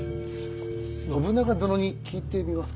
信長殿に聞いてみますか？